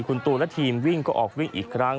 คุณตูนและทีมวิ่งก็ออกวิ่งอีกครั้ง